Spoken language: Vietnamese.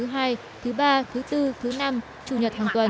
các tàu spt hai chạy vào các ngày thứ ba thứ bốn thứ năm thứ sáu thứ bảy hàng tuần